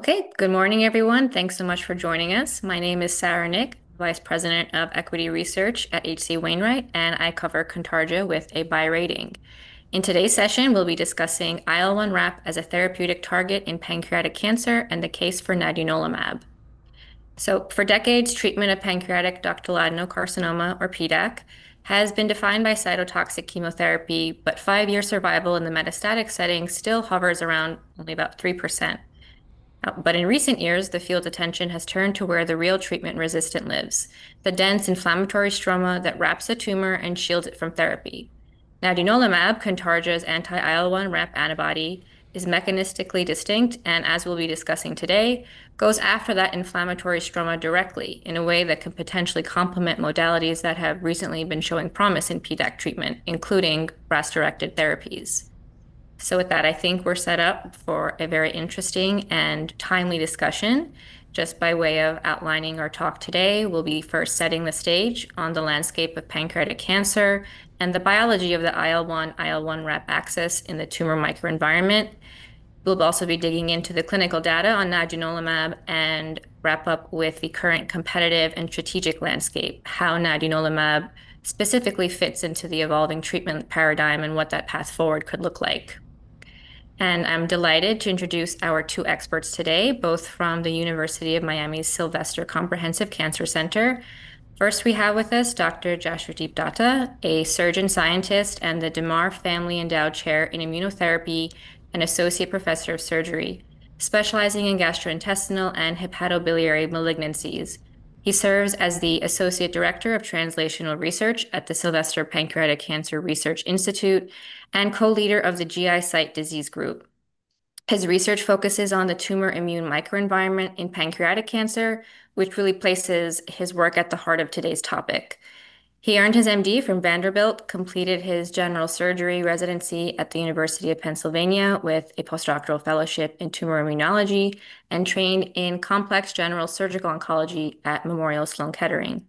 Okay. Good morning, everyone. Thanks so much for joining us. My name is Sara Nik, Vice President of Equity Research at H.C. Wainwright, and I cover Cantargia with a buy rating. In today's session, we'll be discussing IL-1RAP as a therapeutic target in pancreatic cancer and the case for nadunolimab. For decades, treatment of pancreatic ductal adenocarcinoma, or PDAC, has been defined by cytotoxic chemotherapy, but 5-year survival in the metastatic setting still hovers around only about 3%. In recent years, the field's attention has turned to where the real treatment resistant lives, the dense inflammatory stroma that wraps a tumor and shields it from therapy. Nadunolimab, Cantargia's anti-IL-1RAP antibody, is mechanistically distinct and, as we'll be discussing today, goes after that inflammatory stroma directly in a way that could potentially complement modalities that have recently been showing promise in PDAC treatment, including RAS-directed therapies. With that, I think we're set up for a very interesting and timely discussion. Just by way of outlining our talk today, we'll be first setting the stage on the landscape of pancreatic cancer and the biology of the IL-1/IL-1RAP axis in the tumor microenvironment. We'll also be digging into the clinical data on nadunolimab and wrap up with the current competitive and strategic landscape, how nadunolimab specifically fits into the evolving treatment paradigm and what that path forward could look like. I'm delighted to introduce our two experts today, both from the University of Miami's Sylvester Comprehensive Cancer Center. First, we have with us Dr. Jashodeep Datta, a surgeon scientist and the DiMare Family Endowed Chair in Immunotherapy and Associate Professor of Surgery, specializing in gastrointestinal and hepatobiliary malignancies. He serves as the Associate Director of Translational Research at the Sylvester Pancreatic Cancer Research Institute and co-leader of the GI Site Disease Group. His research focuses on the tumor immune microenvironment in pancreatic cancer, which really places his work at the heart of today's topic. He earned his MD from Vanderbilt, completed his general surgery residency at the University of Pennsylvania with a postdoctoral fellowship in tumor immunology, and trained in complex general surgical oncology at Memorial Sloan Kettering.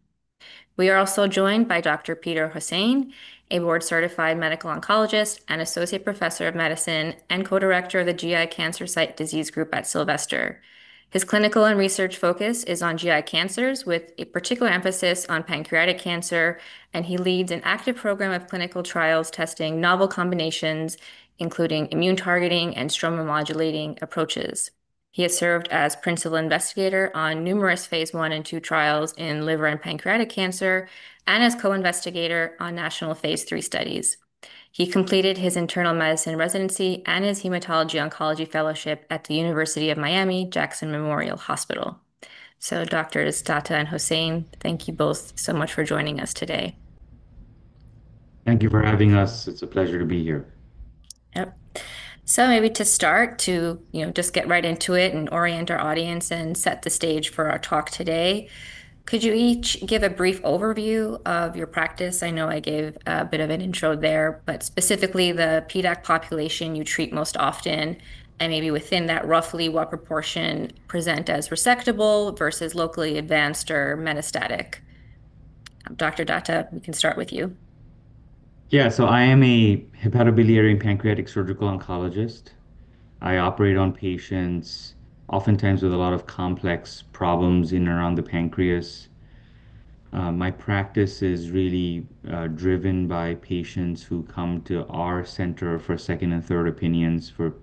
We are also joined by Dr. Peter Hosein, a board-certified medical oncologist and associate professor of medicine and co-director of the GI Cancer Site Disease Group at Sylvester. His clinical and research focus is on GI cancers, with a particular emphasis on pancreatic cancer, and he leads an active program of clinical trials testing novel combinations, including immune targeting and stroma-modulating approaches. He has served as principal investigator on numerous phase I and II trials in liver and pancreatic cancer and as co-investigator on national phase III studies. He completed his internal medicine residency and his hematology oncology fellowship at the University of Miami/Jackson Memorial Hospital. Drs. Datta and Hosein, thank you both so much for joining us today. Thank you for having us. It's a pleasure to be here. Yep. Maybe to start, to just get right into it and orient our audience and set the stage for our talk today, could you each give a brief overview of your practice? I know I gave a bit of an intro there, but specifically the PDAC population you treat most often, and maybe within that, roughly what proportion present as resectable versus locally advanced or metastatic? Dr. Datta, we can start with you. Yeah. I am a hepatobiliary and pancreatic surgical oncologist. I operate on patients oftentimes with a lot of complex problems in and around the pancreas. My practice is really driven by patients who come to our center for second and third opinions for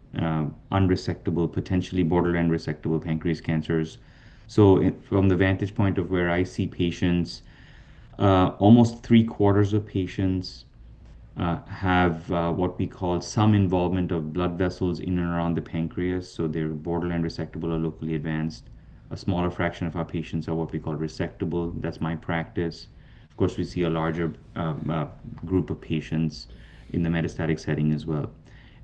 unresectable, potentially borderline resectable pancreas cancers. From the vantage point of where I see patients, almost three-quarters of patients have what we call some involvement of blood vessels in and around the pancreas, so they're borderline resectable or locally advanced. A smaller fraction of our patients are what we call resectable. That's my practice. Of course, we see a larger group of patients in the metastatic setting as well.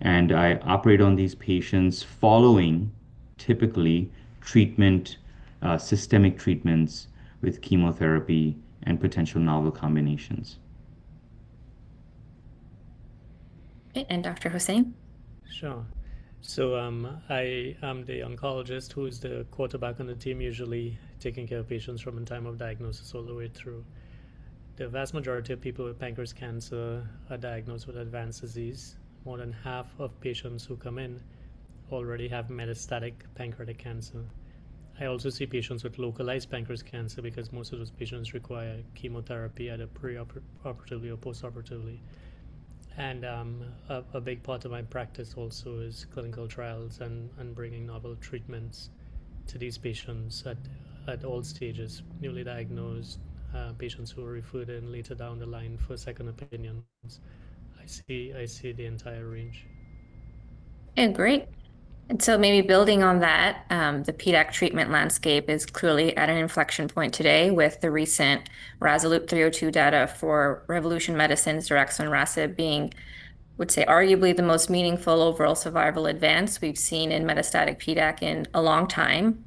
I operate on these patients following, typically, systemic treatments with chemotherapy and potential novel combinations. Okay, Dr. Hosein? I am the oncologist who is the quarterback on the team, usually taking care of patients from the time of diagnosis all the way through. The vast majority of people with pancreatic cancer are diagnosed with advanced disease. More than half of patients who come in already have metastatic pancreatic cancer. I also see patients with localized pancreatic cancer because most of those patients require chemotherapy either preoperatively or postoperatively. A big part of my practice also is clinical trials and bringing novel treatments to these patients at all stages, newly diagnosed, patients who are referred in later down the line for second opinions. I see the entire range. Great. Maybe building on that, the PDAC treatment landscape is clearly at an inflection point today with the recent RASolute 302 data for Revolution Medicines' divarasib being, I would say, arguably the most meaningful overall survival advance we've seen in metastatic PDAC in a long time.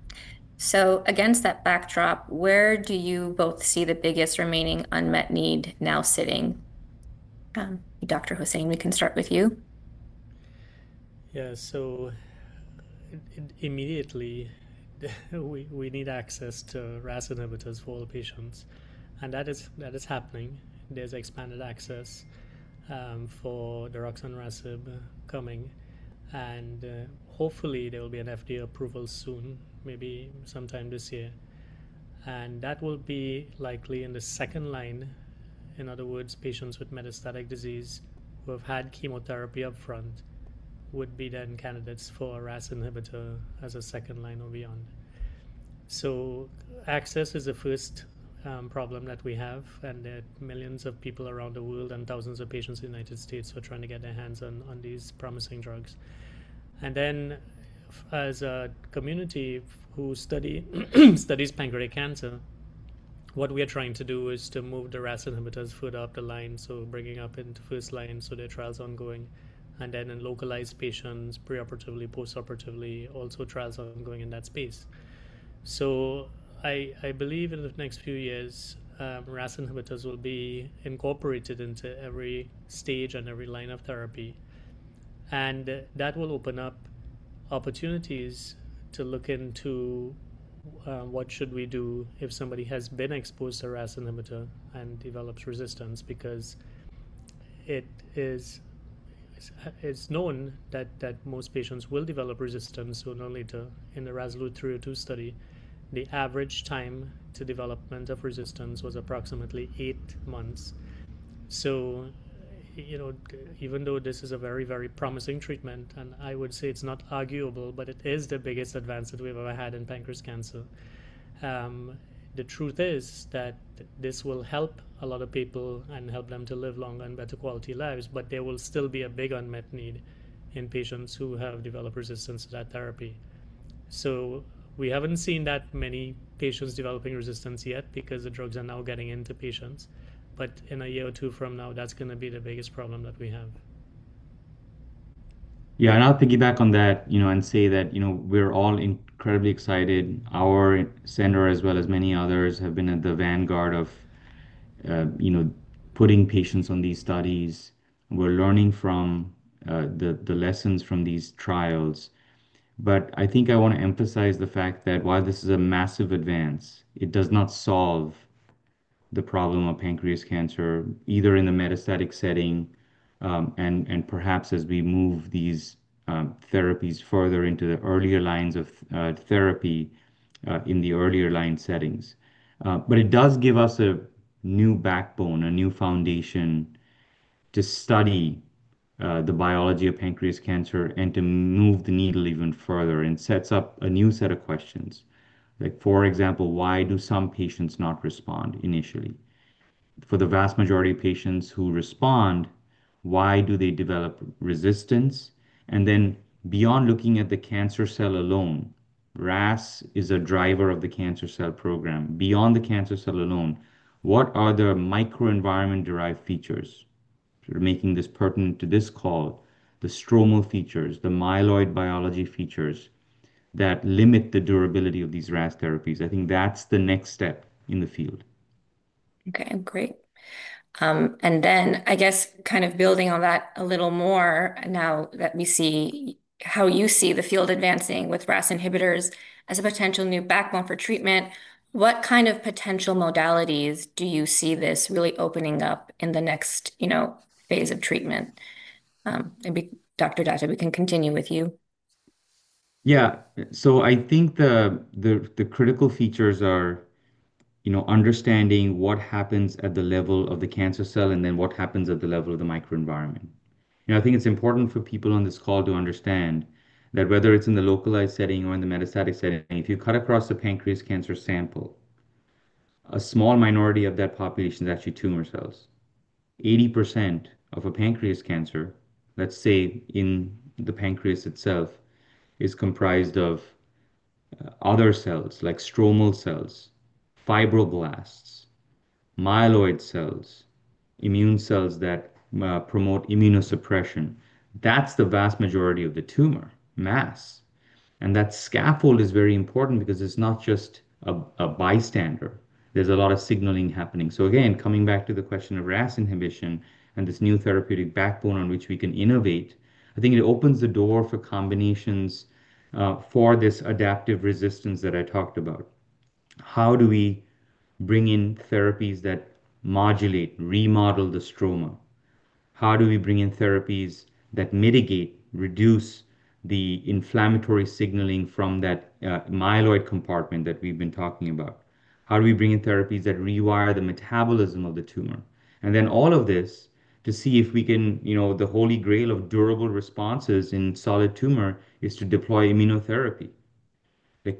Against that backdrop, where do you both see the biggest remaining unmet need now sitting? Dr. Hosein, we can start with you. Yeah. Immediately We need access to RAS inhibitors for all the patients, and that is happening. There's expanded access for daraxonrasib coming, and hopefully, there will be an FDA approval soon, maybe sometime this year. That will be likely in the second line. In other words, patients with metastatic disease who have had chemotherapy upfront would be then candidates for a RAS inhibitor as a second line or beyond. Access is the first problem that we have, and millions of people around the world and thousands of patients in the United States are trying to get their hands on these promising drugs. As a community who studies pancreatic cancer, what we are trying to do is to move the RAS inhibitors further up the line, so bringing up into first line so there are trials ongoing. In localized patients, preoperatively, postoperatively, also trials are ongoing in that space. I believe in the next few years, RAS inhibitors will be incorporated into every stage and every line of therapy. That will open up opportunities to look into what should we do if somebody has been exposed to a RAS inhibitor and develops resistance, because it's known that most patients will develop resistance. In the RASolute 302 study, the average time to development of resistance was approximately eight months. Even though this is a very promising treatment, and I would say it's not arguable, but it is the biggest advance that we've ever had in pancreatic cancer. The truth is that this will help a lot of people and help them to live longer and better quality lives, but there will still be a big unmet need in patients who have developed resistance to that therapy. We haven't seen that many patients developing resistance yet because the drugs are now getting into patients. In a year or two from now, that's going to be the biggest problem that we have. Yeah. I'll piggyback on that and say that we're all incredibly excited. Our center, as well as many others, have been at the vanguard of putting patients on these studies. We're learning the lessons from these trials. I think I want to emphasize the fact that while this is a massive advance, it does not solve the problem of pancreas cancer, either in the metastatic setting and perhaps as we move these therapies further into the earlier lines of therapy in the earlier line settings. It does give us a new backbone, a new foundation to study the biology of pancreas cancer and to move the needle even further, and sets up a new set of questions. Like for example, why do some patients not respond initially? For the vast majority of patients who respond, why do they develop resistance? Beyond looking at the cancer cell alone, RAS is a driver of the cancer cell program. Beyond the cancer cell alone, what are the microenvironment-derived features making this pertinent to this call? The stromal features, the myeloid biology features that limit the durability of these RAS therapies. I think that's the next step in the field. Okay, great. I guess building on that a little more now that we see how you see the field advancing with RAS inhibitors as a potential new backbone for treatment, what kind of potential modalities do you see this really opening up in the next phase of treatment? Maybe Dr. Datta, we can continue with you. I think the critical features are understanding what happens at the level of the cancer cell and then what happens at the level of the microenvironment. I think it's important for people on this call to understand that whether it's in the localized setting or in the metastatic setting, if you cut across a pancreas cancer sample, a small minority of that population is actually tumor cells. 80% of a pancreas cancer, let's say in the pancreas itself, is comprised of other cells like stromal cells, fibroblasts, myeloid cells, immune cells that promote immunosuppression. That's the vast majority of the tumor mass. That scaffold is very important because it's not just a bystander. There's a lot of signaling happening. Again, coming back to the question of RAS inhibition and this new therapeutic backbone on which we can innovate, I think it opens the door for combinations for this adaptive resistance that I talked about. How do we bring in therapies that modulate, remodel the stroma? How do we bring in therapies that mitigate, reduce the inflammatory signaling from that myeloid compartment that we've been talking about? How do we bring in therapies that rewire the metabolism of the tumor? Then all of this to see if the holy grail of durable responses in solid tumor is to deploy immunotherapy.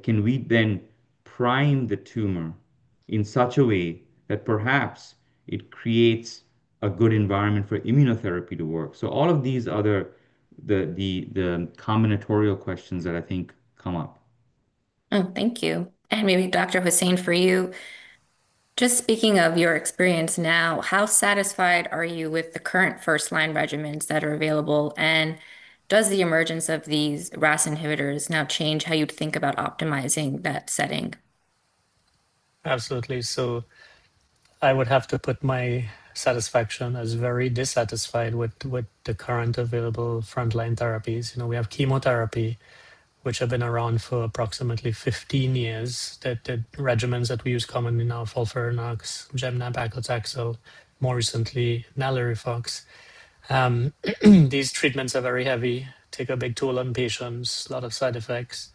Can we then prime the tumor in such a way that perhaps it creates a good environment for immunotherapy to work? All of these are the combinatorial questions that I think come up. Thank you. Maybe Dr. Hosein, for you, just speaking of your experience now, how satisfied are you with the current first-line regimens that are available, and does the emergence of these RAS inhibitors now change how you'd think about optimizing that setting? Absolutely. I would have to put my satisfaction as very dissatisfied with the current available frontline therapies. We have chemotherapy, which have been around for approximately 15 years, that the regimens that we use commonly now, FOLFIRINOX, Gem/Nab/Paclitaxel, more recently, NALIRIFOX. These treatments are very heavy, take a big toll on patients, lot of side effects,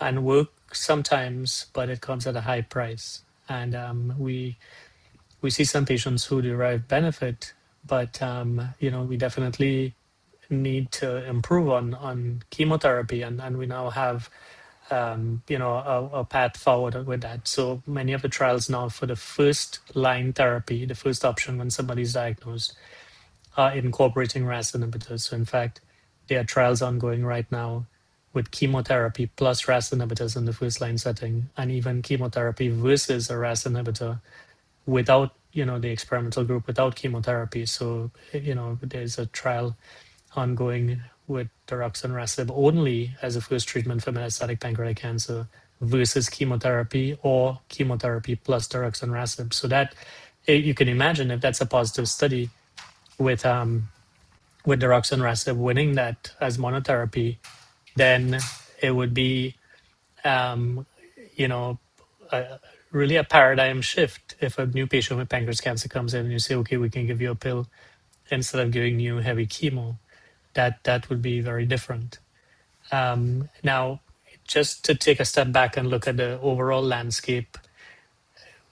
and work sometimes, but it comes at a high price. We see some patients who derive benefit, but we definitely need to improve on chemotherapy. We now have a path forward with that. Many of the trials now for the first-line therapy, the first option when somebody's diagnosed, are incorporating RAS inhibitors. In fact, there are trials ongoing right now with chemotherapy plus RAS inhibitors in the first-line setting, and even chemotherapy versus a RAS inhibitor without the experimental group, without chemotherapy. There's a trial ongoing with daraxonrasib only as a first treatment for metastatic pancreatic cancer versus chemotherapy or chemotherapy plus daraxonrasib. You can imagine if that's a positive study with daraxonrasib winning that as monotherapy, then it would be really a paradigm shift if a new patient with pancreas cancer comes in and you say, "Okay, we can give you a pill instead of giving you heavy chemo." That would be very different. Just to take a step back and look at the overall landscape,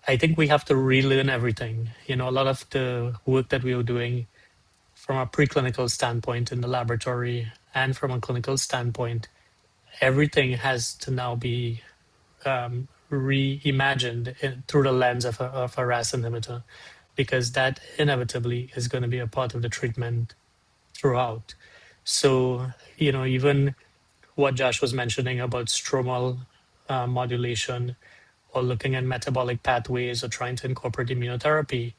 I think we have to relearn everything. A lot of the work that we are doing from a preclinical standpoint in the laboratory and from a clinical standpoint, everything has to now be reimagined through the lens of a RAS inhibitor, because that inevitably is going to be a part of the treatment throughout. Even what Josh was mentioning about stromal modulation or looking at metabolic pathways or trying to incorporate immunotherapy,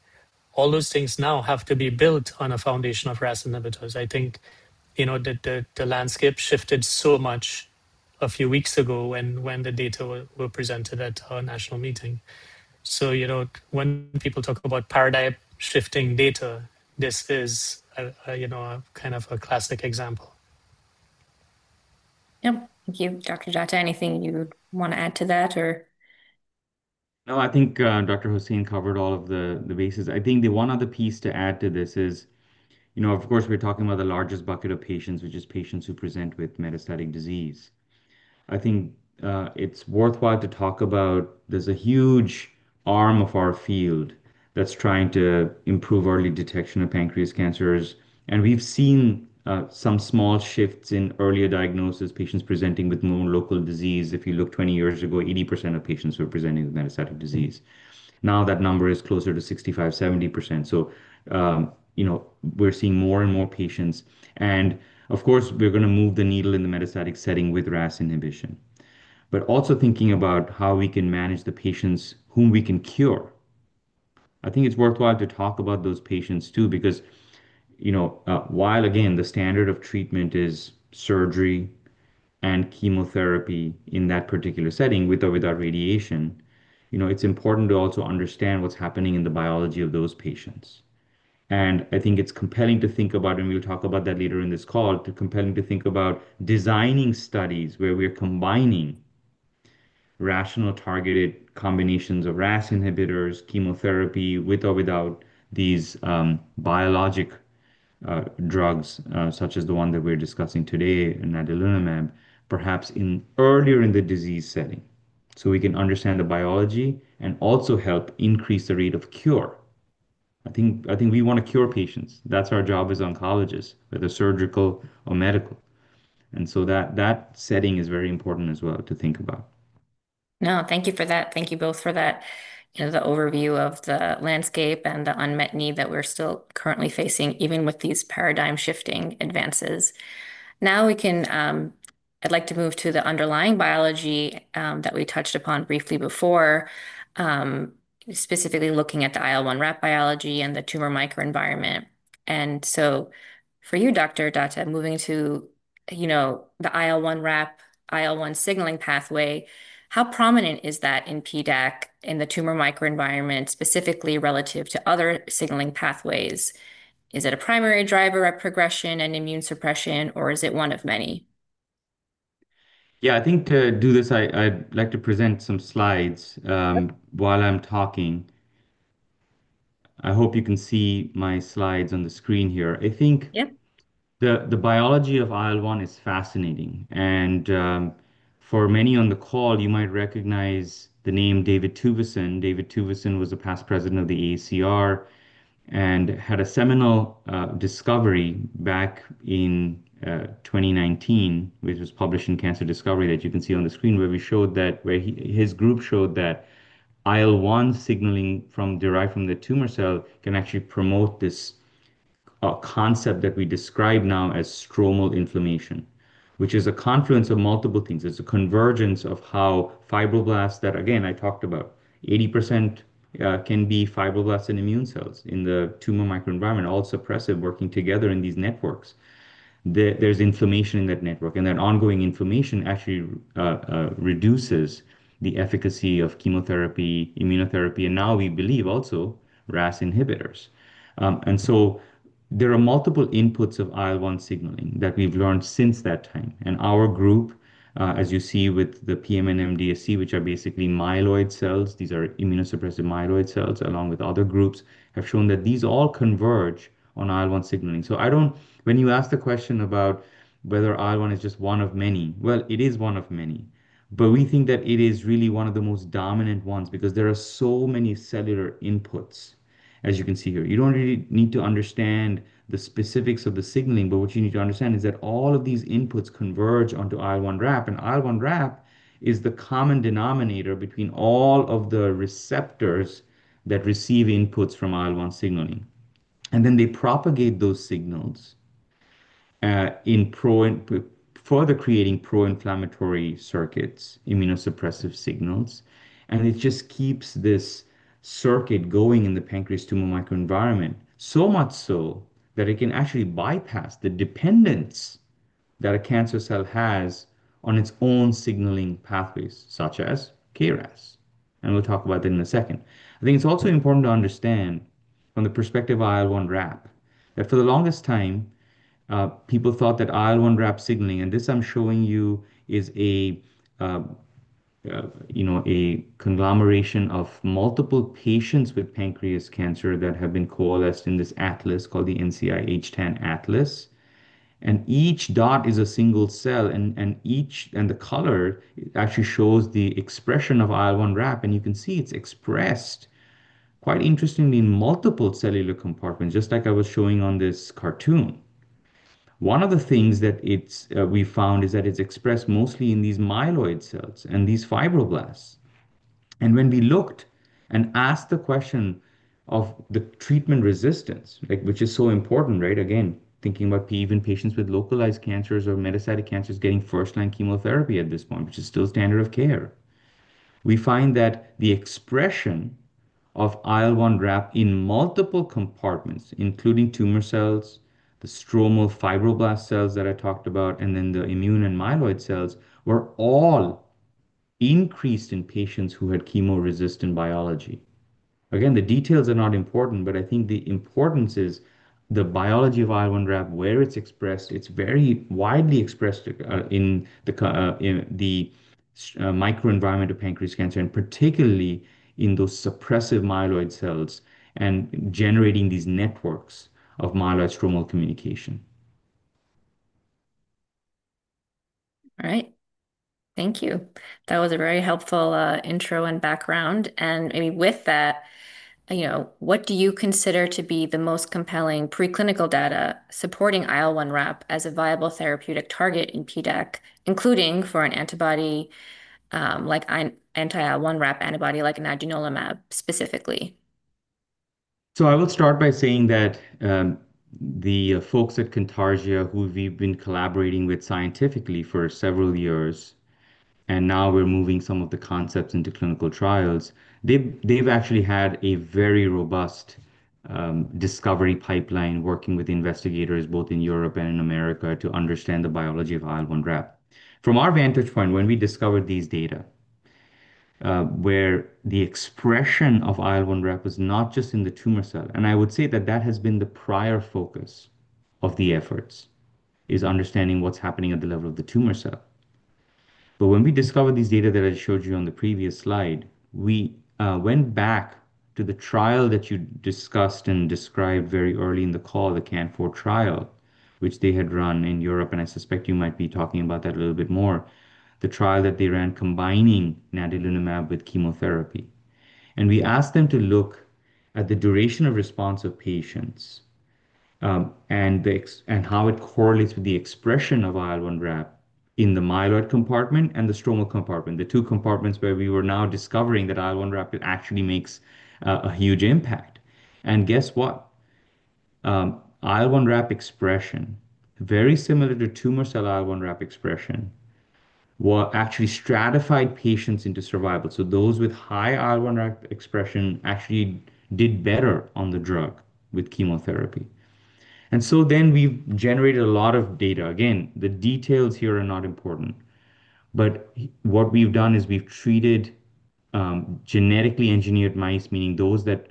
all those things now have to be built on a foundation of RAS inhibitors. I think that the landscape shifted so much a few weeks ago when the data were presented at our national meeting. When people talk about paradigm-shifting data, this is a classic example. Yep. Thank you. Dr. Datta, anything you'd want to add to that, or? I think Dr. Hosein covered all of the bases. I think the one other piece to add to this is, of course, we're talking about the largest bucket of patients, which is patients who present with metastatic disease. I think it's worthwhile to talk about there's a huge arm of our field that's trying to improve early detection of pancreas cancers, and we've seen some small shifts in earlier diagnosis, patients presenting with more local disease. If you look 20 years ago, 80% of patients were presenting with metastatic disease. That number is closer to 65%, 70%. We're seeing more and more patients. Of course, we're going to move the needle in the metastatic setting with RAS inhibition. Also thinking about how we can manage the patients whom we can cure. I think it's worthwhile to talk about those patients, too, because while, again, the standard of treatment is surgery and chemotherapy in that particular setting, with or without radiation, it's important to also understand what's happening in the biology of those patients. I think it's compelling to think about, and we'll talk about that later in this call, compelling to think about designing studies where we're combining rational, targeted combinations of RAS inhibitors, chemotherapy, with or without these biologic drugs, such as the one that we're discussing today, nadunolimab, perhaps earlier in the disease setting, so we can understand the biology and also help increase the rate of cure. I think we want to cure patients. That's our job as oncologists, whether surgical or medical. That setting is very important as well to think about. No, thank you for that. Thank you both for that, the overview of the landscape and the unmet need that we're still currently facing, even with these paradigm-shifting advances. Now, I'd like to move to the underlying biology that we touched upon briefly before, specifically looking at the IL-1RAP biology and the tumor microenvironment. For you, Dr. Datta, moving to the IL-1RAP, IL-1 signaling pathway, how prominent is that in PDAC in the tumor microenvironment, specifically relative to other signaling pathways? Is it a primary driver of progression and immune suppression, or is it one of many? Yeah, I think to do this, I'd like to present some slides while I'm talking. I hope you can see my slides on the screen here. I think the biology of IL-1 is fascinating. Yep For many on the call, you might recognize the name David Tuveson. David Tuveson was a past president of the AACR and had a seminal discovery back in 2019, which was published in "Cancer Discovery" that you can see on the screen, where his group showed that IL-1 signaling derived from the tumor cell can actually promote this concept that we describe now as stromal inflammation, which is a confluence of multiple things. It's a convergence of how fibroblasts that, again, I talked about 80% can be fibroblasts and immune cells in the tumor microenvironment, all suppressive, working together in these networks. There is inflammation in that network, and that ongoing inflammation actually reduces the efficacy of chemotherapy, immunotherapy, and now we believe also RAS inhibitors. There are multiple inputs of IL-1 signaling that we've learned since that time. Our group, as you see with the PMN-MDSC, which are basically myeloid cells, these are immunosuppressive myeloid cells, along with other groups, have shown that these all converge on IL-1 signaling. When you ask the question about whether IL-1 is just one of many, well, it is one of many, but we think that it is really one of the most dominant ones because there are so many cellular inputs, as you can see here. You don't really need to understand the specifics of the signaling, but what you need to understand is that all of these inputs converge onto IL1RAP, and IL1RAP is the common denominator between all of the receptors that receive inputs from IL-1 signaling. They propagate those signals, further creating pro-inflammatory circuits, immunosuppressive signals, and it just keeps this circuit going in the pancreas tumor microenvironment, so much so that it can actually bypass the dependence that a cancer cell has on its own signaling pathways, such as KRAS, and we will talk about that in a second. I think it's also important to understand from the perspective of IL1RAP, that for the longest time, people thought that IL1RAP signaling, and this I am showing you is a conglomeration of multiple patients with pancreas cancer that have been coalesced in this atlas called the NCI HTAN atlas. Each dot is a single cell, and the color actually shows the expression of IL1RAP, and you can see it's expressed quite interestingly in multiple cellular compartments, just like I was showing on this cartoon. One of the things that we found is that it's expressed mostly in these myeloid cells and these fibroblasts. When we looked and asked the question of the treatment resistance, which is so important, again, thinking about even patients with localized cancers or metastatic cancers getting first-line chemotherapy at this point, which is still standard of care. We find that the expression of IL1RAP in multiple compartments, including tumor cells, the stromal fibroblast cells that I talked about, and then the immune and myeloid cells, were all increased in patients who had chemo-resistant biology. Again, the details are not important, but I think the importance is the biology of IL-1RAP, where it's expressed. It's very widely expressed in the microenvironment of pancreas cancer, and particularly in those suppressive myeloid cells, and generating these networks of myeloid stromal communication. All right. Thank you. That was a very helpful intro and background. With that, what do you consider to be the most compelling preclinical data supporting IL-1RAP as a viable therapeutic target in PDAC, including for an antibody, anti-IL-1RAP antibody like nadunolimab specifically? I would start by saying that the folks at Cantargia, who we've been collaborating with scientifically for several years, and now we're moving some of the concepts into clinical trials, they've actually had a very robust discovery pipeline working with investigators both in Europe and in America to understand the biology of IL-1RAP. From our vantage point, when we discovered these data, where the expression of IL-1RAP was not just in the tumor cell, and I would say that that has been the prior focus of the efforts, is understanding what's happening at the level of the tumor cell. When we discovered these data that I showed you on the previous slide, we went back to the trial that you discussed and described very early in the call, the CANFOUR trial, which they had run in Europe, and I suspect you might be talking about that a little bit more. The trial that they ran combining nadunolimab with chemotherapy. We asked them to look at the duration of response of patients, and how it correlates with the expression of IL-1RAP in the myeloid compartment and the stromal compartment, the two compartments where we were now discovering that IL-1RAP actually makes a huge impact. Guess what? IL-1RAP expression, very similar to tumor cell IL-1RAP expression, actually stratified patients into survival. Those with high IL-1RAP expression actually did better on the drug with chemotherapy. We've generated a lot of data. Again, the details here are not important, but what we've done is we've treated genetically engineered mice, meaning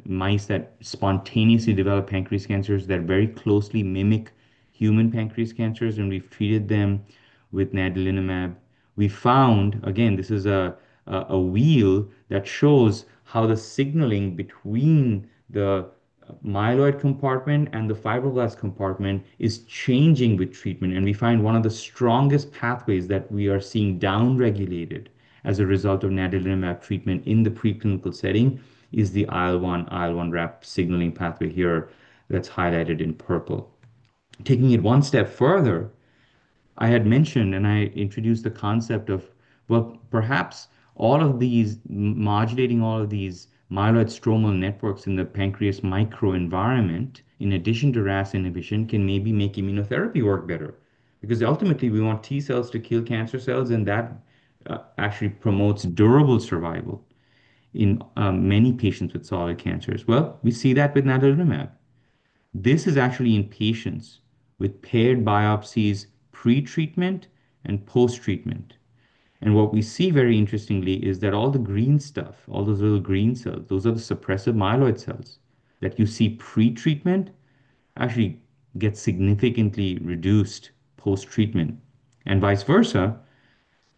mice that spontaneously develop pancreas cancers that very closely mimic human pancreas cancers, and we've treated them with nadunolimab. We found, again, this is a wheel that shows how the signaling between the myeloid compartment and the fibroblast compartment is changing with treatment. We find one of the strongest pathways that we are seeing downregulated as a result of nadunolimab treatment in the preclinical setting is the IL-1, IL-1RAP signaling pathway here that's highlighted in purple. Taking it one step further, I had mentioned, and I introduced the concept of, well, perhaps modulating all of these myeloid stromal networks in the pancreas microenvironment, in addition to RAS inhibition, can maybe make immunotherapy work better. Ultimately, we want T cells to kill cancer cells, and that actually promotes durable survival in many patients with solid cancers. Well, we see that with nadunolimab. This is actually in patients with paired biopsies pretreatment and posttreatment. What we see very interestingly is that all the green stuff, all those little green cells, those are the suppressive myeloid cells that you see pretreatment actually get significantly reduced posttreatment and vice versa.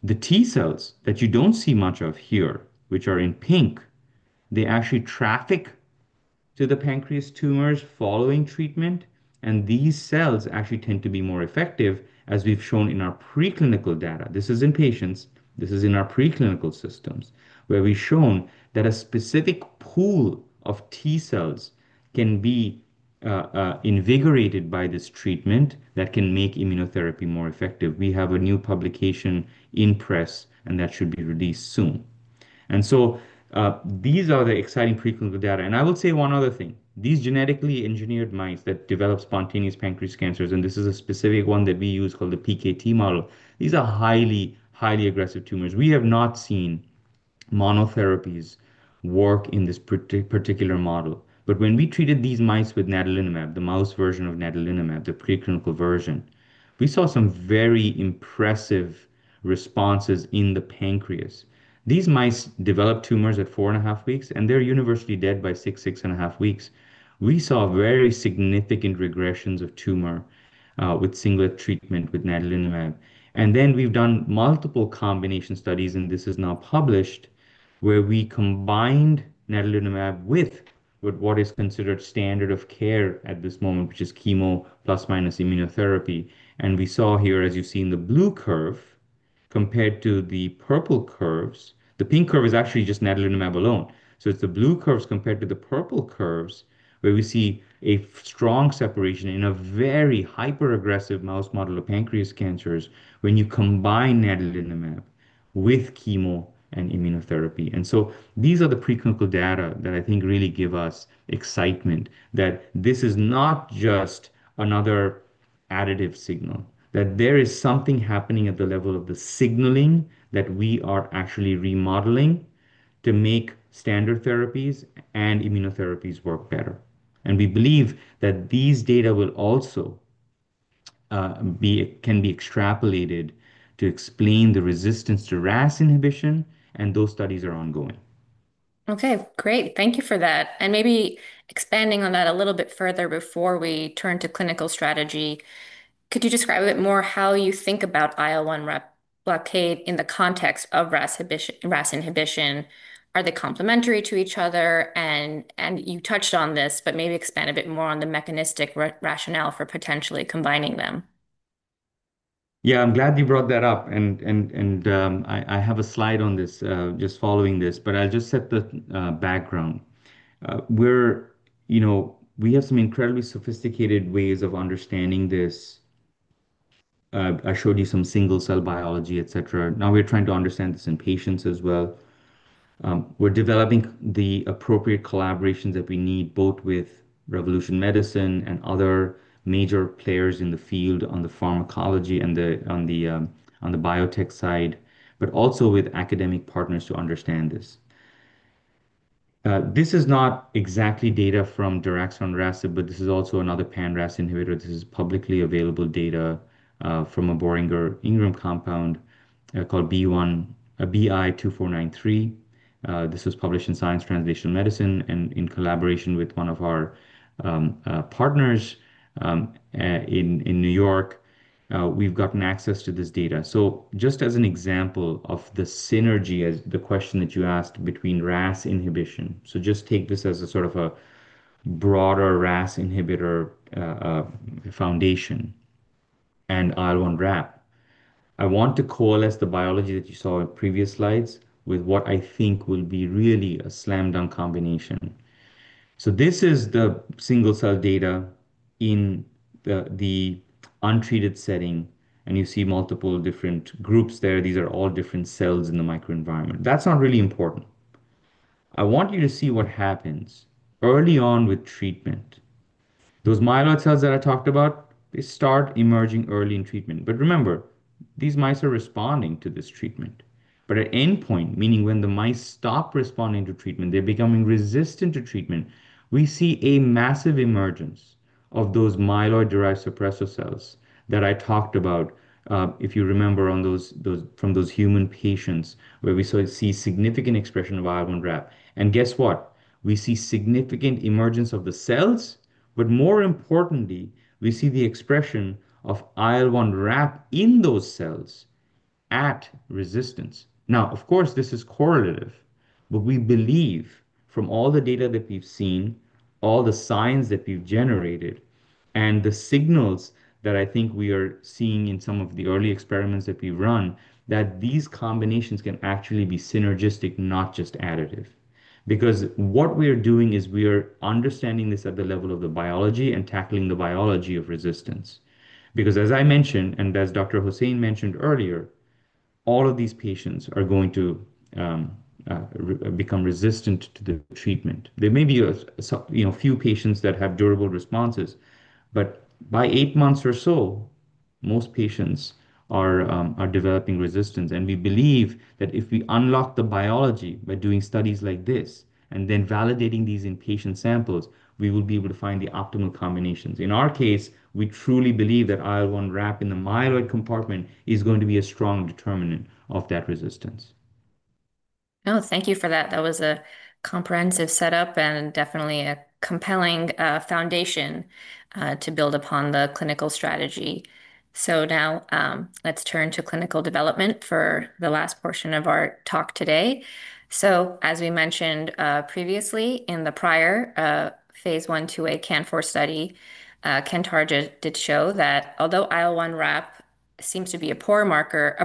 The T cells that you don't see much of here, which are in pink, they actually traffic to the pancreas tumors following treatment, and these cells actually tend to be more effective, as we've shown in our preclinical data. This is in patients, this is in our preclinical systems, where we've shown that a specific pool of T cells can be invigorated by this treatment that can make immunotherapy more effective. We have a new publication in press, that should be released soon. These are the exciting preclinical data. I will say one other thing. These genetically engineered mice that develop spontaneous pancreas cancers, and this is a specific one that we use called the PK model. These are highly aggressive tumors. We have not seen monotherapies work in this particular model. When we treated these mice with nadunolimab, the mouse version of nadunolimab, the preclinical version, we saw some very impressive responses in the pancreas. These mice develop tumors at four and a half weeks, and they're universally dead by six and a half weeks. We saw very significant regressions of tumor with singular treatment with nadunolimab. We've done multiple combination studies, and this is now published, where we combined nadunolimab with what is considered standard of care at this moment, which is chemo plus minus immunotherapy. We saw here, as you see in the blue curve compared to the purple curves, the pink curve is actually just nadunolimab alone. It's the blue curves compared to the purple curves where we see a strong separation in a very hyperaggressive mouse model of pancreas cancers when you combine nadunolimab with chemo and immunotherapy. These are the preclinical data that I think really give us excitement that this is not just another additive signal, that there is something happening at the level of the signaling that we are actually remodeling to make standard therapies and immunotherapies work better. We believe that these data can be extrapolated to explain the resistance to RAS inhibition, and those studies are ongoing. Okay, great. Thank you for that. Maybe expanding on that a little bit further before we turn to clinical strategy, could you describe a bit more how you think about IL-1RAP blockade in the context of RAS inhibition? Are they complementary to each other? You touched on this, but maybe expand a bit more on the mechanistic rationale for potentially combining them. I'm glad you brought that up, and I have a slide on this just following this, but I'll just set the background. We have some incredibly sophisticated ways of understanding this. I showed you some single-cell biology, et cetera. Now we're trying to understand this in patients as well. We're developing the appropriate collaborations that we need, both with Revolution Medicines and other major players in the field on the pharmacology and on the biotech side, but also with academic partners to understand this. This is not exactly data from daraxonrasib, but this is also another pan-RAS inhibitor. This is publicly available data from a Boehringer Ingelheim compound called BI-2493. This was published in "Science Translational Medicine" and in collaboration with one of our partners in New York. We've gotten access to this data. Just as an example of the synergy, the question that you asked between RAS inhibition, just take this as a sort of a broader RAS inhibitor foundation and IL-1RAP. I want to coalesce the biology that you saw in previous slides with what I think will be really a slam dunk combination. This is the single-cell data in the untreated setting, and you see multiple different groups there. These are all different cells in the microenvironment. That's not really important. I want you to see what happens early on with treatment. Those myeloid cells that I talked about, they start emerging early in treatment. Remember, these mice are responding to this treatment. At endpoint, meaning when the mice stop responding to treatment, they're becoming resistant to treatment, we see a massive emergence of those myeloid-derived suppressor cells that I talked about, if you remember from those human patients, where we see significant expression of IL-1RAP. Guess what? We see significant emergence of the cells, but more importantly, we see the expression of IL-1RAP in those cells at resistance. Of course, this is correlative, but we believe from all the data that we've seen, all the signs that we've generated, and the signals that I think we are seeing in some of the early experiments that we've run, that these combinations can actually be synergistic, not just additive. What we are doing is we are understanding this at the level of the biology and tackling the biology of resistance. As I mentioned, and as Dr. Hosein mentioned earlier, all of these patients are going to become resistant to the treatment. There may be a few patients that have durable responses, but by eight months or so most patients are developing resistance, and we believe that if we unlock the biology by doing studies like this and then validating these in patient samples, we will be able to find the optimal combinations. In our case, we truly believe that IL-1RAP in the myeloid compartment is going to be a strong determinant of that resistance. Oh, thank you for that. That was a comprehensive setup and definitely a compelling foundation to build upon the clinical strategy. Now, let's turn to clinical development for the last portion of our talk today. As we mentioned previously in the prior phase I/IIa CANFOUR study, Cantargia did show that although IL-1RAP seems to be a marker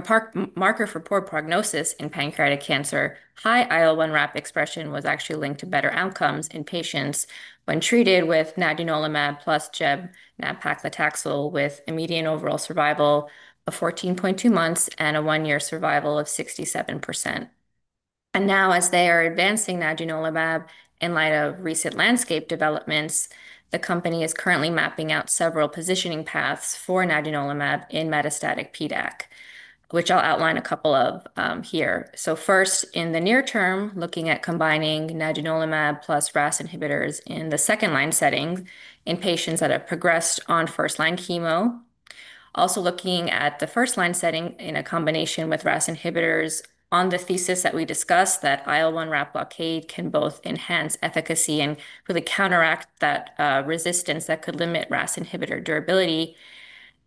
for poor prognosis in pancreatic cancer, high IL-1RAP expression was actually linked to better outcomes in patients when treated with nadunolimab plus gemcitabine plus paclitaxel with a median overall survival of 14.2 months and a one-year survival of 67%. Now, as they are advancing nadunolimab in light of recent landscape developments, the company is currently mapping out several positioning paths for nadunolimab in metastatic PDAC, which I'll outline a couple of here. First, in the near term, looking at combining nadunolimab plus RAS inhibitors in the second-line setting in patients that have progressed on first-line chemo. Also looking at the first-line setting in a combination with RAS inhibitors on the thesis that we discussed that IL-1RAP blockade can both enhance efficacy and really counteract that resistance that could limit RAS inhibitor durability.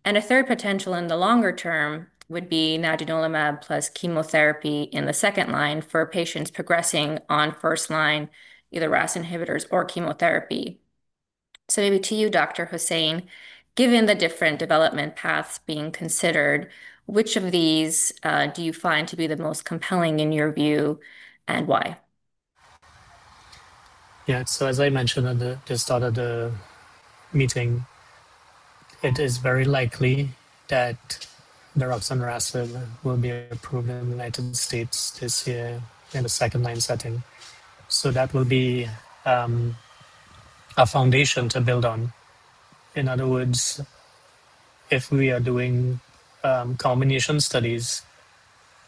A third potential in the longer term would be nadunolimab plus chemotherapy in the second line for patients progressing on first-line either RAS inhibitors or chemotherapy. Maybe to you, Dr. Hosein, given the different development paths being considered, which of these do you find to be the most compelling in your view, and why? Yeah. As I mentioned at the start of the meeting, it is very likely that daraxonrasib will be approved in the U.S. this year in a second-line setting. That will be a foundation to build on. In other words, if we are doing combination studies,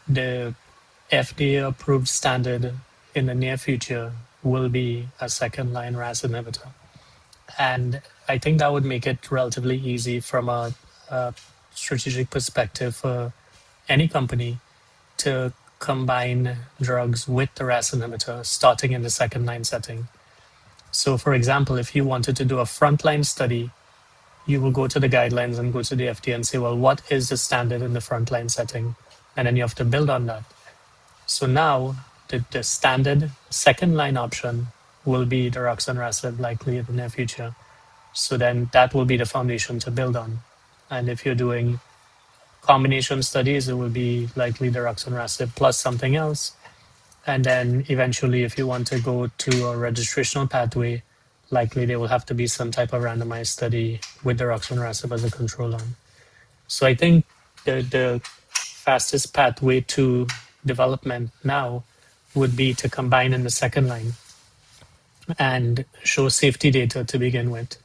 the FDA-approved standard in the near future will be a second-line RAS inhibitor. I think that would make it relatively easy from a strategic perspective for any company to combine drugs with the RAS inhibitor, starting in the second-line setting. For example, if you wanted to do a frontline study, you will go to the guidelines and go to the FDA and say, "Well, what is the standard in the frontline setting?" Then you have to build on that. Now, the standard second-line option will be daraxonrasib likely in the near future. That will be the foundation to build on. If you're doing combination studies, it will be likely daraxonrasib plus something else. Eventually, if you want to go to a registrational pathway, likely there will have to be some type of randomized study with daraxonrasib as a control arm. I think the fastest pathway to development now would be to combine in the second line and show safety data to begin with,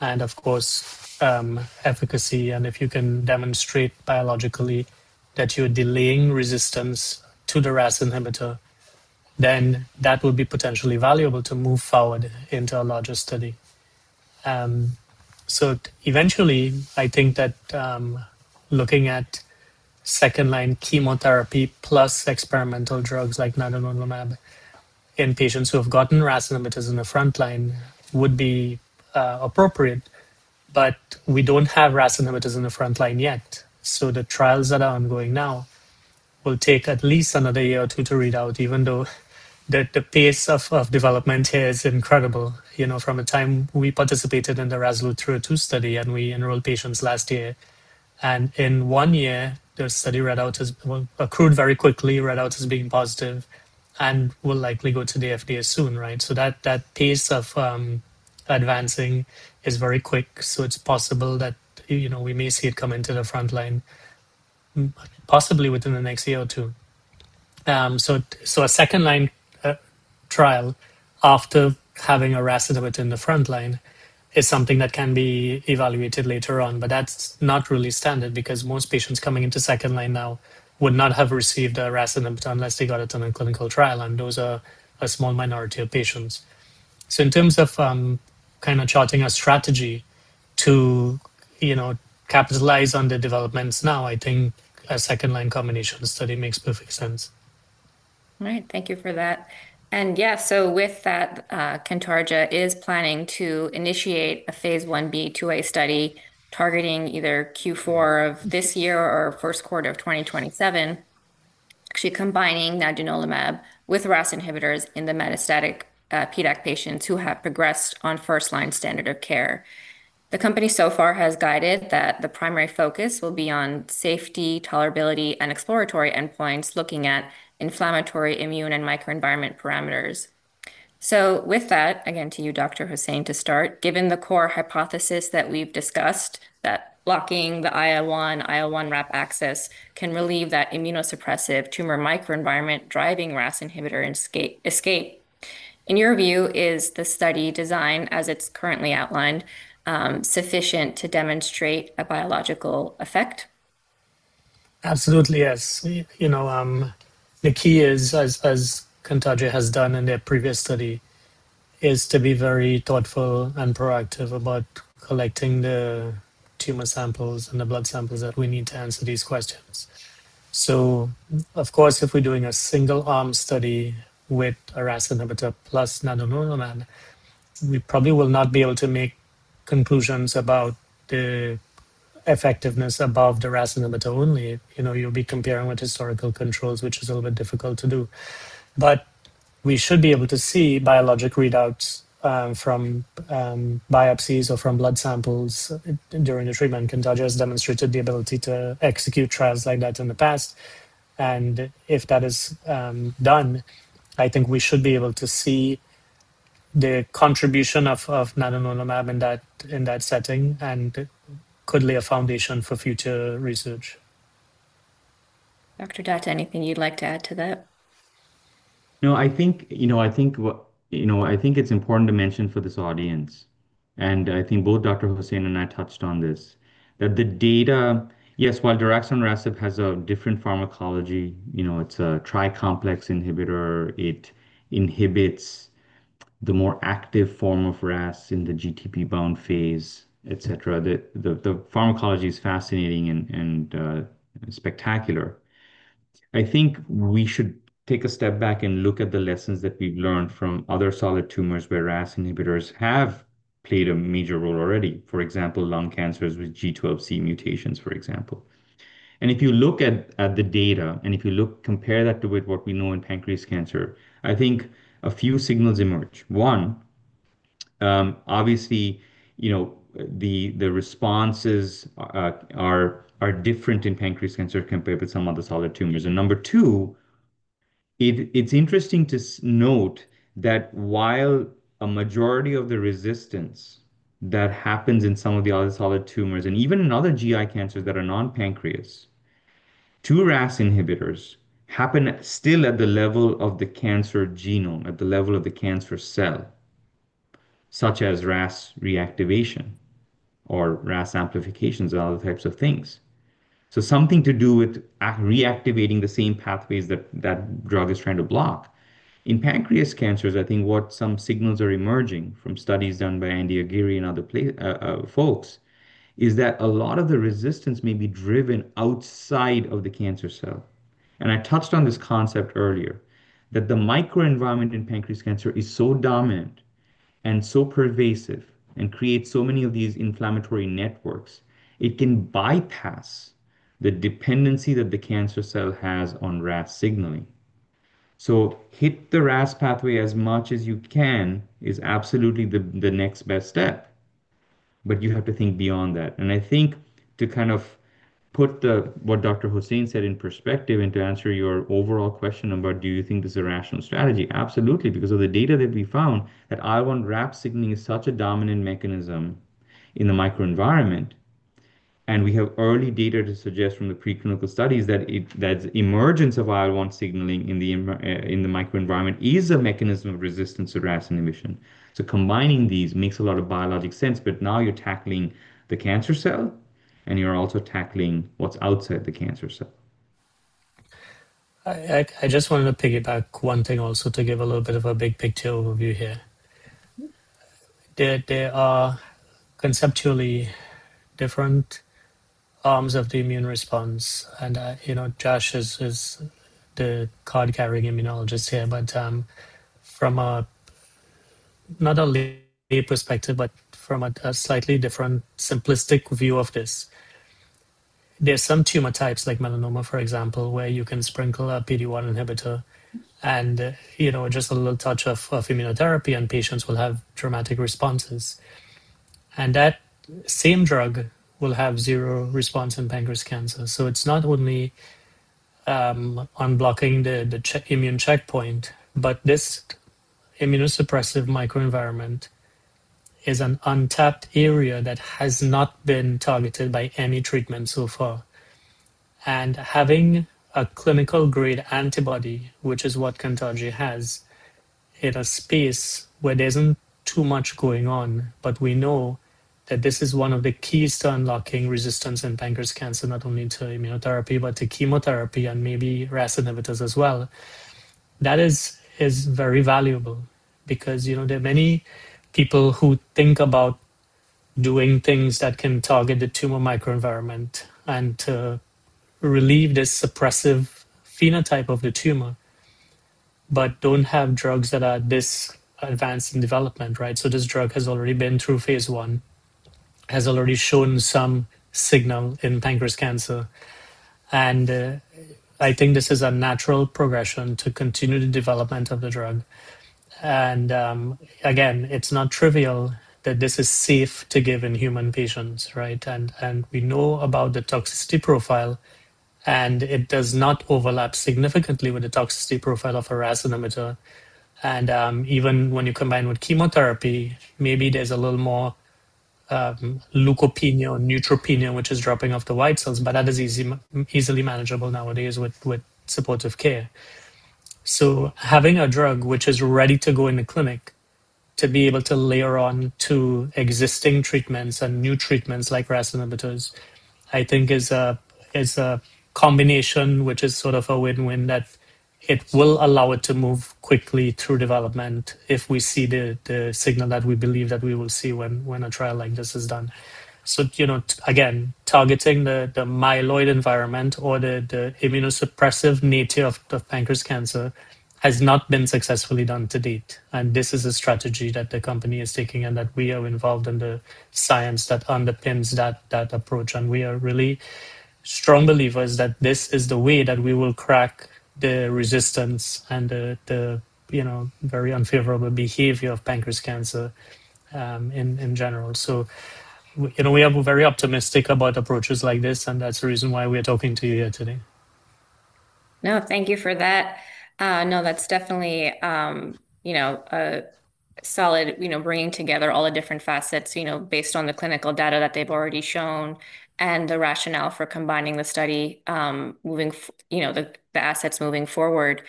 and of course, efficacy. If you can demonstrate biologically that you're delaying resistance to the RAS inhibitor, then that would be potentially valuable to move forward into a larger study. Eventually, I think that looking at second line chemotherapy plus experimental drugs like nadunolimab in patients who have gotten RAS inhibitors in the frontline would be appropriate, but we don't have RAS inhibitors in the frontline yet. The trials that are ongoing now will take at least another year or two to read out, even though the pace of development here is incredible. From the time we participated in the RASolute 302 study and we enrolled patients last year. In one year, the study accrued very quickly, read out as being positive, and will likely go to the FDA soon. That pace of advancing is very quick. It's possible that we may see it come into the frontline possibly within the next year or two. A second-line trial after having a RAS inhibitor in the frontline is something that can be evaluated later on, but that's not really standard because most patients coming into second line now would not have received a RAS inhibitor unless they got it on a clinical trial, and those are a small minority of patients. In terms of kind of charting a strategy to capitalize on the developments now, I think a second-line combination study makes perfect sense. Thank you for that. With that, Cantargia is planning to initiate a phase I-B/IIa study targeting either Q4 of this year or first quarter of 2027, actually combining nadunolimab with RAS inhibitors in the metastatic PDAC patients who have progressed on first-line standard of care. The company so far has guided that the primary focus will be on safety, tolerability, and exploratory endpoints, looking at inflammatory immune and microenvironment parameters. With that, again to you, Dr. Hosein, to start, given the core hypothesis that we've discussed, that blocking the IL-1/IL-1RAP axis can relieve that immunosuppressive tumor microenvironment driving RAS inhibitor escape. In your view, is the study design as it's currently outlined sufficient to demonstrate a biological effect? Absolutely, yes. The key is, as Cantargia has done in their previous study, is to be very thoughtful and proactive about collecting the tumor samples and the blood samples that we need to answer these questions. Of course, if we're doing a single arm study with a RAS inhibitor plus nadunolimab, we probably will not be able to make conclusions about the effectiveness above the RAS inhibitor only. You'll be comparing with historical controls, which is a little bit difficult to do. We should be able to see biologic readouts from biopsies or from blood samples during the treatment. Cantargia has demonstrated the ability to execute trials like that in the past. If that is done, I think we should be able to see the contribution of nadunolimab in that setting and could lay a foundation for future research. Dr. Datta, anything you'd like to add to that? I think it's important to mention for this audience, and I think both Dr. Hosein and I touched on this, that the data, yes, while daraxonrasib has a different pharmacology, it's a tri-complex inhibitor. It inhibits the more active form of RAS in the GTP bound phase, et cetera. The pharmacology is fascinating and spectacular. I think we should take a step back and look at the lessons that we've learned from other solid tumors where RAS inhibitors have played a major role already. For example, lung cancers with G12C mutations, for example. If you look at the data, and if you compare that with what we know in pancreas cancer, I think a few signals emerge. One, obviously, the responses are different in pancreas cancer compared with some other solid tumors. Number two, it's interesting to note that while a majority of the resistance that happens in some of the other solid tumors, and even in other GI cancers that are non-pancreas, to RAS inhibitors happen still at the level of the cancer genome, at the level of the cancer cell, such as RAS reactivation or RAS amplifications and other types of things. Something to do with reactivating the same pathways that that drug is trying to block. In pancreas cancers, I think what some signals are emerging from studies done by Andrew Aguirre and other folks, is that a lot of the resistance may be driven outside of the cancer cell. I touched on this concept earlier, that the microenvironment in pancreas cancer is so dominant and so pervasive and creates so many of these inflammatory networks, it can bypass the dependency that the cancer cell has on RAS signaling. Hit the RAS pathway as much as you can is absolutely the next best step, but you have to think beyond that. I think to put what Dr. Hosein said in perspective, and to answer your overall question about do you think this is a rational strategy, absolutely. Because of the data that we found, that IL-1RAP signaling is such a dominant mechanism in the microenvironment, and we have early data to suggest from the preclinical studies that emergence of IL-1 signaling in the microenvironment is a mechanism of resistance to RAS inhibition. Combining these makes a lot of biologic sense, but now you're tackling the cancer cell, and you're also tackling what's outside the cancer cell. I just wanted to piggyback one thing also to give a little bit of a big picture overview here. There are conceptually different arms of the immune response, Josh is the card-carrying immunologist here. From a, not a lay perspective, but from a slightly different simplistic view of this, there are some tumor types like melanoma, for example, where you can sprinkle a PD-1 inhibitor and just a little touch of immunotherapy, and patients will have dramatic responses. That same drug will have zero response in pancreas cancer. It's not only unblocking the immune checkpoint, but this immunosuppressive microenvironment is an untapped area that has not been targeted by any treatment so far. Having a clinical-grade antibody, which is what Cantargia has, in a space where there isn't too much going on, but we know that this is one of the keys to unlocking resistance in pancreas cancer, not only to immunotherapy, but to chemotherapy and maybe RAS inhibitors as well. That is very valuable because there are many people who think about doing things that can target the tumor microenvironment and to relieve this suppressive phenotype of the tumor, but don't have drugs that are this advanced in development, right? This drug has already been through phase I, has already shown some signal in pancreas cancer, and I think this is a natural progression to continue the development of the drug. Again, it's not trivial that this is safe to give in human patients, right? We know about the toxicity profile, and it does not overlap significantly with the toxicity profile of a RAS inhibitor. Even when you combine with chemotherapy, maybe there's a little more leukopenia or neutropenia, which is dropping off the white cells, but that is easily manageable nowadays with supportive care. Having a drug which is ready to go in the clinic to be able to layer on to existing treatments and new treatments like RAS inhibitors, I think is a combination which is sort of a win-win that it will allow it to move quickly through development if we see the signal that we believe that we will see when a trial like this is done. Again, targeting the myeloid environment or the immunosuppressive nature of the pancreas cancer has not been successfully done to date. This is a strategy that the company is taking and that we are involved in the science that underpins that approach. We are really strong believers that this is the way that we will crack the resistance and the very unfavorable behavior of pancreas cancer in general. We are very optimistic about approaches like this, and that's the reason why we are talking to you here today. No, thank you for that. No, that's definitely solid, bringing together all the different facets, based on the clinical data that they've already shown and the rationale for combining the study, the assets moving forward.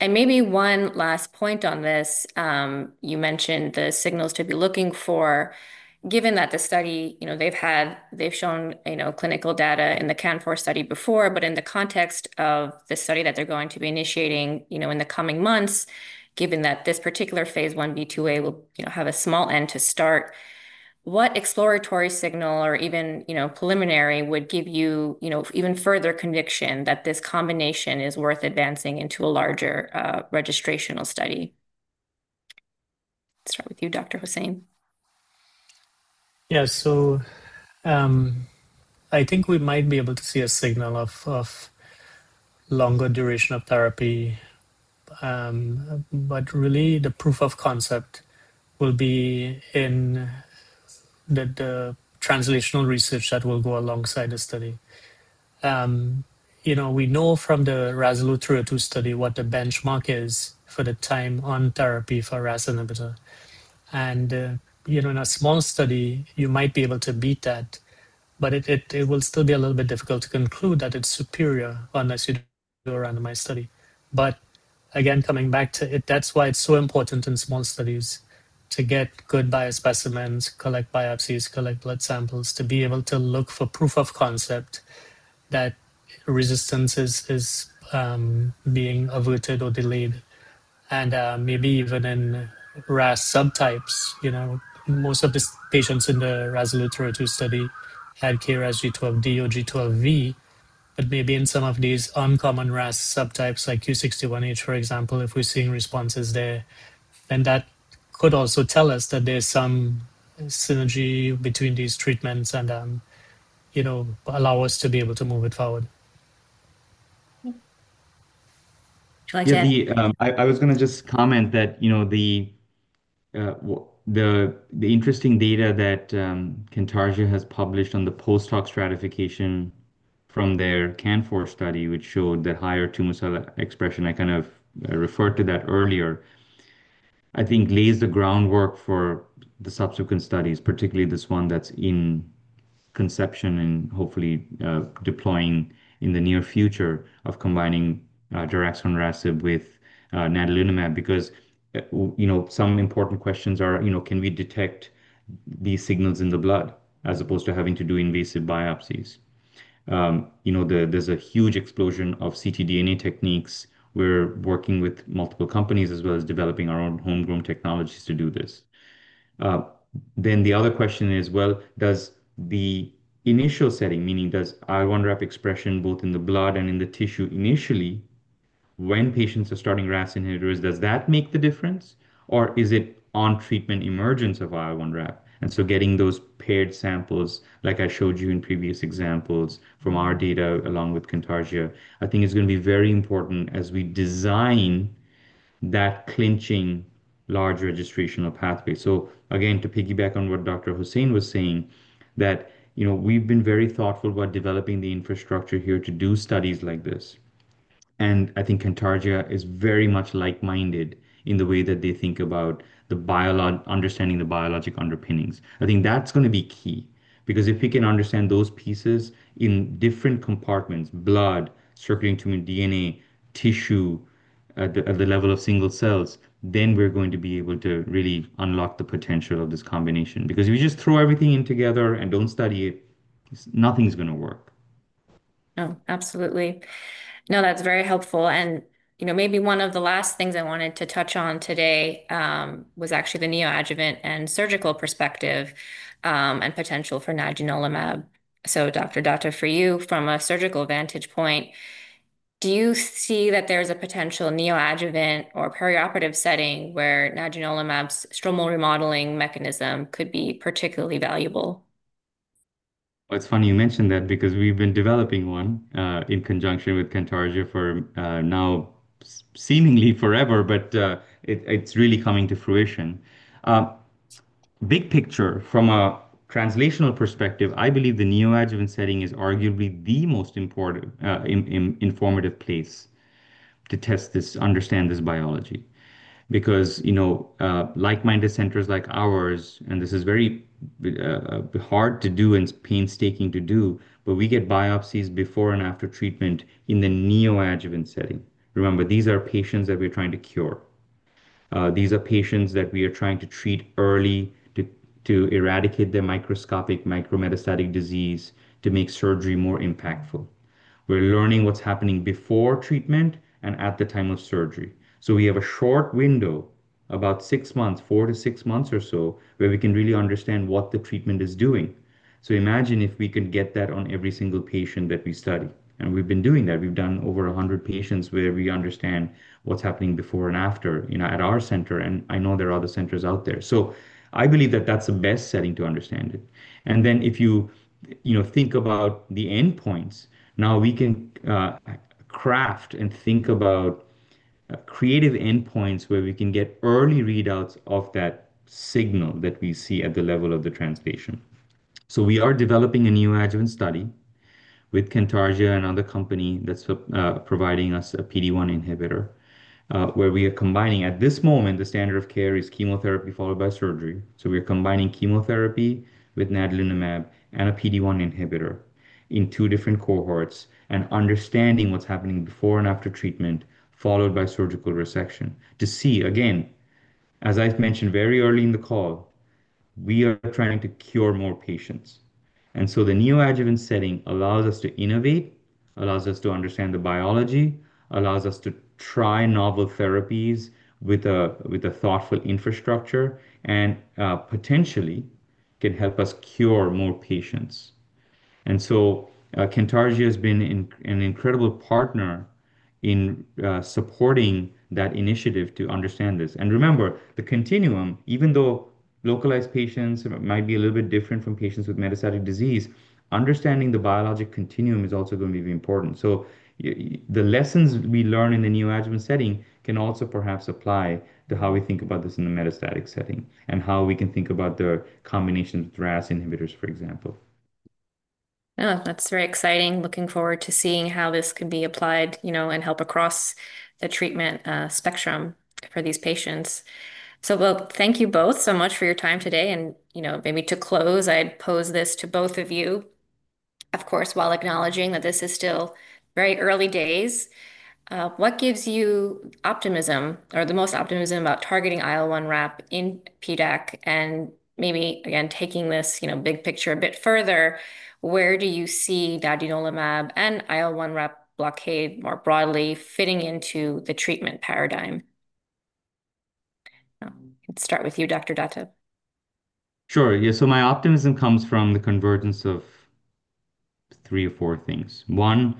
Maybe one last point on this, you mentioned the signals to be looking for, given that the study, they've shown clinical data in the CANFOUR study before, but in the context of the study that they're going to be initiating in the coming months, given that this particular phase I-B/IIa will have a small N to start. What exploratory signal or even preliminary would give you even further conviction that this combination is worth advancing into a larger registrational study? Let's start with you, Dr. Hosein. Yeah. I think we might be able to see a signal of longer duration of therapy. Really the proof of concept will be in the translational research that will go alongside the study. We know from the RASolute study what the benchmark is for the time on therapy for RAS inhibitor. In a small study, you might be able to beat that, but it will still be a little bit difficult to conclude that it's superior unless you do a randomized study. Again, coming back to it, that's why it's so important in small studies to get good biospecimens, collect biopsies, collect blood samples, to be able to look for proof of concept that resistance is being averted or delayed and maybe even in RAS subtypes. Most of the patients in the RASolute study had KRAS G12D or G12V, maybe in some of these uncommon RAS subtypes like Q61H, for example, if we're seeing responses there. That could also tell us that there's some synergy between these treatments and allow us to be able to move it forward. Dr. Datta. I was going to just comment that the interesting data that Cantargia has published on the post hoc stratification from their CANFOUR study, which showed the higher tumor cell expression, I kind of referred to that earlier, I think lays the groundwork for the subsequent studies, particularly this one that's in conception and hopefully deploying in the near future of combining daraxonrasib with nadunolimab because some important questions are, can we detect these signals in the blood as opposed to having to do invasive biopsies? There's a huge explosion of ctDNA techniques. We're working with multiple companies as well as developing our own homegrown technologies to do this. The other question is, well, does the initial setting, meaning does IL1RAP expression both in the blood and in the tissue initially when patients are starting RAS inhibitors, does that make the difference or is it on treatment emergence of IL1RAP? Getting those paired samples, like I showed you in previous examples from our data along with Cantargia, I think is going to be very important as we design that clinching large registrational pathway. Again, to piggyback on what Dr. Hosein was saying, that we've been very thoughtful about developing the infrastructure here to do studies like this. I think Cantargia is very much like-minded in the way that they think about understanding the biologic underpinnings. I think that's going to be key because if we can understand those pieces in different compartments, blood, circulating tumor DNA, tissue, at the level of single cells, then we're going to be able to really unlock the potential of this combination. If you just throw everything in together and don't study it, nothing's going to work. Oh, absolutely. No, that's very helpful. Maybe one of the last things I wanted to touch on today, was actually the neoadjuvant and surgical perspective, and potential for nadunolimab. Dr. Datta, for you, from a surgical vantage point, do you see that there's a potential neoadjuvant or perioperative setting where nadunolimab's stromal remodeling mechanism could be particularly valuable? Well, it's funny you mention that because we've been developing one in conjunction with Cantargia for now seemingly forever. It's really coming to fruition. Big picture from a translational perspective, I believe the neoadjuvant setting is arguably the most important and informative place to test this, understand this biology. Like-minded centers like ours, and this is very hard to do and painstaking to do, we get biopsies before and after treatment in the neoadjuvant setting. Remember, these are patients that we're trying to cure. These are patients that we are trying to treat early to eradicate their microscopic micrometastatic disease to make surgery more impactful. We're learning what's happening before treatment and at the time of surgery. We have a short window, about four to six months or so, where we can really understand what the treatment is doing. Imagine if we could get that on every single patient that we study. We've been doing that. We've done over 100 patients where we understand what's happening before and after at our center, and I know there are other centers out there. I believe that that's the best setting to understand it. If you think about the endpoints, now we can craft and think about creative endpoints where we can get early readouts of that signal that we see at the level of the translation. We are developing a neoadjuvant study with Cantargia, another company that's providing us a PD-1 inhibitor, where we are combining At this moment, the standard of care is chemotherapy followed by surgery. We are combining chemotherapy with nadunolimab and a PD-1 inhibitor in two different cohorts and understanding what's happening before and after treatment, followed by surgical resection to see, again, as I've mentioned very early in the call, we are trying to cure more patients. The neoadjuvant setting allows us to innovate, allows us to understand the biology, allows us to try novel therapies with a thoughtful infrastructure, and potentially can help us cure more patients. Cantargia has been an incredible partner in supporting that initiative to understand this. Remember, the continuum, even though localized patients might be a little bit different from patients with metastatic disease, understanding the biologic continuum is also going to be important. The lessons we learn in the neoadjuvant setting can also perhaps apply to how we think about this in the metastatic setting, and how we can think about the combination of RAS inhibitors, for example. Oh, that's very exciting. Looking forward to seeing how this could be applied and help across the treatment spectrum for these patients. Well, thank you both so much for your time today. Maybe to close, I'd pose this to both of you, of course, while acknowledging that this is still very early days. What gives you optimism or the most optimism about targeting IL-1RAP in PDAC? And maybe, again, taking this big picture a bit further, where do you see nadunolimab and IL-1RAP blockade more broadly fitting into the treatment paradigm? Let's start with you, Dr. Datta. Sure. Yeah. My optimism comes from the convergence of three or four things. One,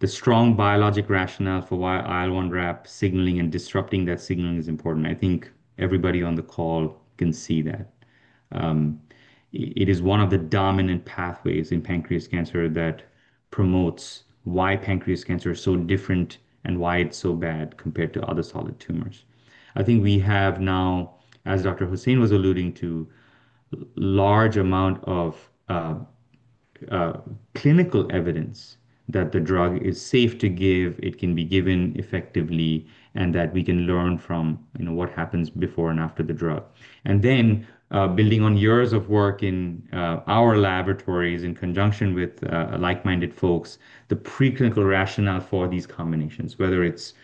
the strong biologic rationale for why IL-1RAP signaling and disrupting that signaling is important. I think everybody on the call can see that. It is one of the dominant pathways in pancreas cancer that promotes why pancreas cancer is so different and why it's so bad compared to other solid tumors. I think we have now, as Dr. Hosein was alluding to, large amount of clinical evidence that the drug is safe to give, it can be given effectively, and that we can learn from what happens before and after the drug. Then, building on years of work in our laboratories in conjunction with like-minded folks, the preclinical rationale for these combinations, whether it's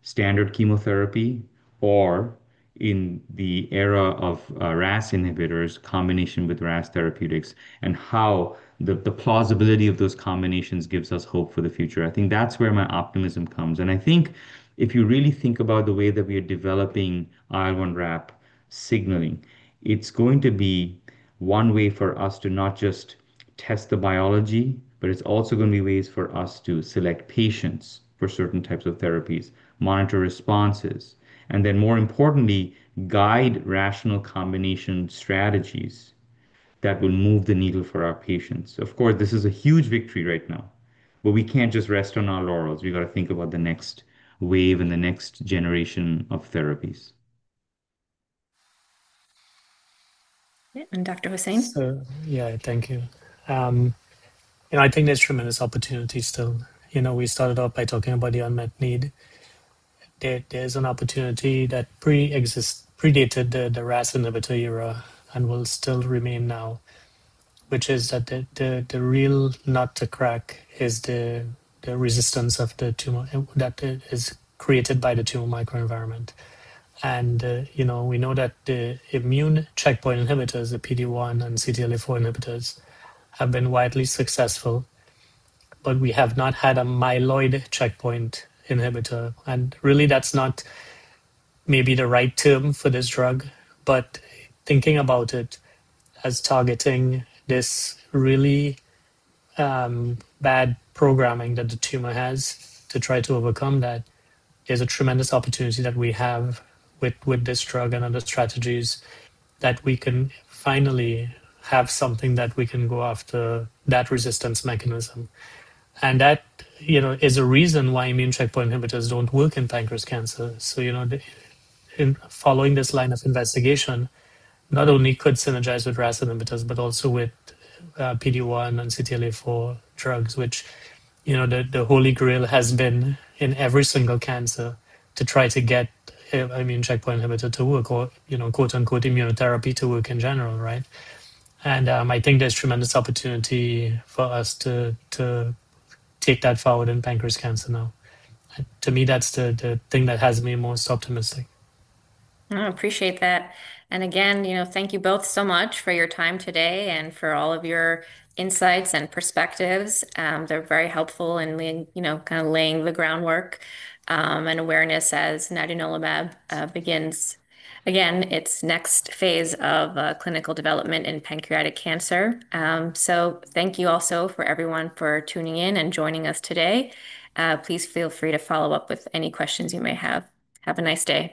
standard chemotherapy or in the era of RAS inhibitors, combination with RAS therapeutics, and how the plausibility of those combinations gives us hope for the future. I think that's where my optimism comes. I think if you really think about the way that we are developing IL-1RAP signaling, it's going to be one way for us to not just test the biology, but it's also going to be ways for us to select patients for certain types of therapies, monitor responses, and then more importantly, guide rational combination strategies that will move the needle for our patients. Of course, this is a huge victory right now, but we can't just rest on our laurels. We've got to think about the next wave and the next generation of therapies. Dr. Hosein? Yeah. Thank you. I think there's tremendous opportunity still. We started off by talking about the unmet need. There's an opportunity that predated the RAS inhibitor era and will still remain now, which is that the real nut to crack is the resistance that is created by the tumor microenvironment. We know that the immune checkpoint inhibitors, the PD-1 and CTLA-4 inhibitors, have been widely successful, but we have not had a myeloid checkpoint inhibitor. Really that's not maybe the right term for this drug, but thinking about it as targeting this really bad programming that the tumor has to try to overcome that is a tremendous opportunity that we have with this drug and other strategies that we can finally have something that we can go after that resistance mechanism. That is a reason why immune checkpoint inhibitors don't work in pancreas cancer. In following this line of investigation, not only could synergize with RAS inhibitors, but also with PD-1 and CTLA-4 drugs, which the holy grail has been in every single cancer to try to get immune checkpoint inhibitor to work or, quote-unquote, "immunotherapy" to work in general, right? I think there's tremendous opportunity for us to take that forward in pancreas cancer now. To me, that's the thing that has me most optimistic. I appreciate that. Again, thank you both so much for your time today and for all of your insights and perspectives. They're very helpful in laying the groundwork, and awareness as nadunolimab begins, again, its next phase of clinical development in pancreatic cancer. Thank you also for everyone for tuning in and joining us today. Please feel free to follow up with any questions you may have. Have a nice day